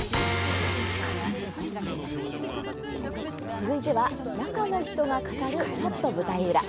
続いては「中の人が語るちょっと舞台裏」。